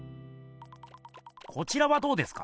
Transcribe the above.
こちらはどうですか？